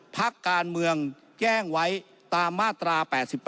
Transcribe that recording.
พักการเมืองแจ้งไว้ตามมาตรา๘๘